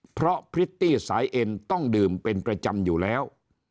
เพราะพริตตี้สายเอ็นต้องดื่มเป็นประจำอยู่แล้ว